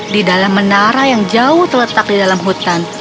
di dalam menara yang jauh terletak di dalam hutan